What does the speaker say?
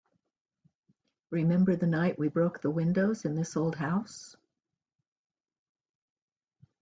Remember the night we broke the windows in this old house?